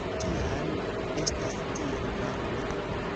Kial estas tiel varme?